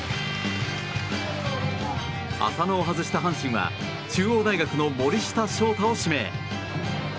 浅野を外した阪神は中央大学の森下翔太を指名。